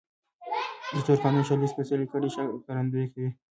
د تور قانون شالید سپېڅلې کړۍ ښکارندويي کوي.